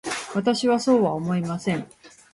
私はそうは思いません。